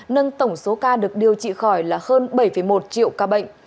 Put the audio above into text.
nâng tổng số ca được điều trị khỏi là hơn bảy một triệu ca bệnh